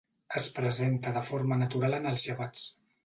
Es presenta de forma natural en els llevats.